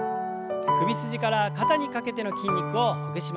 首筋から肩にかけての筋肉をほぐします。